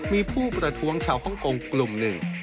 มีผู้ประท้วงชาวฮ่องกงกลุ่มหนึ่ง